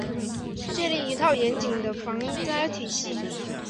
建立一套严谨的防灾体系